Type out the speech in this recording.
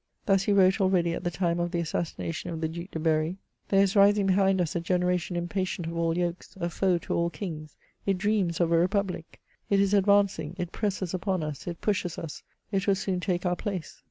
Thus he wrote already at the time of the assassination of the Duke de Berry :" There is rising behind us a generation impatient of all yokes, a foe to all kings : it dreams of a republic. It is advancing ; it presses upon us ; it pushes us ; it will soon take our place."